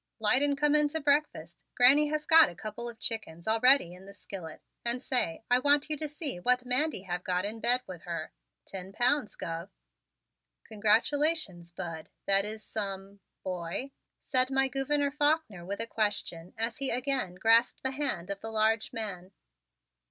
"'Light and come in to breakfast. Granny has got a couple of chickens already in the skillet. And say, I want you to see what Mandy have got in the bed with her. Ten pounds, Gov." "Congratulations, Bud; that is some boy?" said my Gouverneur Faulkner with a question as he again grasped the hand of the large man.